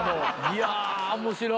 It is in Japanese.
いや面白。